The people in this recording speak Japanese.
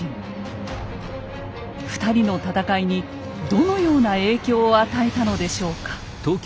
２人の戦いにどのような影響を与えたのでしょうか。